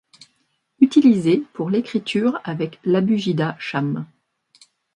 Utilisés pour l’écriture avec l’abugida cham.